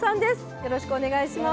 よろしくお願いします。